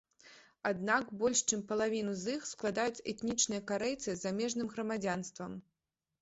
Аднак, больш чым палавіну з іх складаюць этнічныя карэйцы з замежным грамадзянствам.